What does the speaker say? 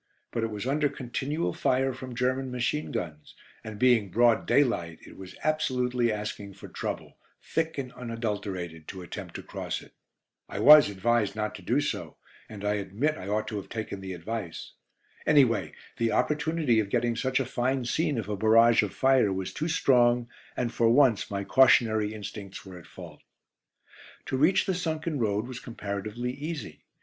But it was under continual fire from German machine guns, and being broad daylight it was absolutely asking for trouble, thick and unadulterated, to attempt to cross it. I was advised not to do so, and I admit I ought to have taken the advice. Anyway, the opportunity of getting such a fine scene of a barrage of fire was too strong, and for once my cautionary instincts were at fault. To reach the sunken road was comparatively easy.